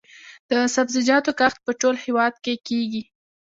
د سبزیجاتو کښت په ټول هیواد کې کیږي